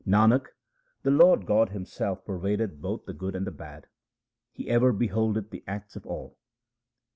1 Nanak, the Lord God Himself pervadeth both the good and the bad ; 2 he ever beholdeth the acts of all.